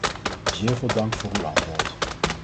Zeer veel dank voor uw antwoord.